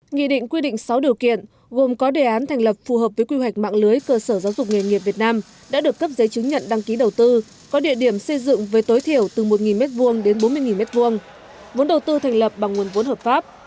nghị định quy định sáu điều kiện gồm có đề án thành lập phù hợp với quy hoạch mạng lưới cơ sở giáo dục nghề nghiệp việt nam đã được cấp giấy chứng nhận đăng ký đầu tư có địa điểm xây dựng với tối thiểu từ một m hai đến bốn mươi m hai vốn đầu tư thành lập bằng nguồn vốn hợp pháp